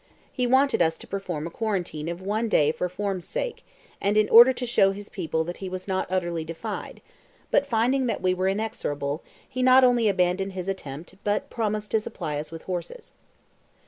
He wanted us to perform a quarantine of one day for form's sake, and in order to show his people that he was not utterly defied; but finding that we were inexorable, he not only abandoned his attempt, but promised to supply us with horses.